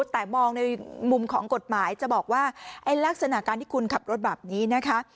แต่มองในมุมของกฎหมายจะบอกว่าไอ้ลักษณะการที่คุณขับรถแบบนี้นะคะ